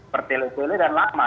pertelitulah dan lama